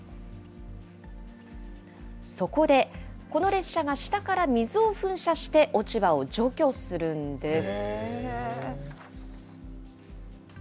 そこで、この列車が下から水を噴射して、落ち葉を除去するんです。